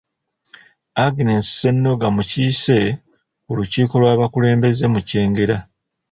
Agness Ssennoga mukiise ku lukiiko lw’abakulembeze mu Kyengera.